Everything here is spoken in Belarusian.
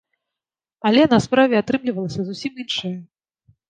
Але на справе атрымлівалася зусім іншае.